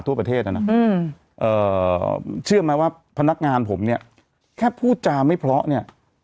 ทั่วประเทศนะนะเชื่อไหมว่าพนักงานผมเนี่ยแค่พูดจาไม่เพราะเนี่ย